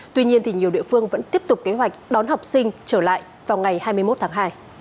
tuy nhiên nhiều địa phương vẫn tiếp tục kế hoạch đón học sinh trở lại vào ngày hai mươi một tháng hai